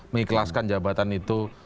mengikhlaskan jabatan itu